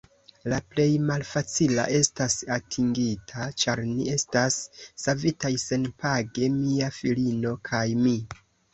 La plej malfacila estas atingita, ĉar ni estas savitaj senpage, mia filino kaj mi.